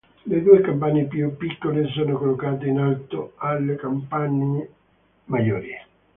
Le due campane più piccole sono collocate in alto alle campane maggiori.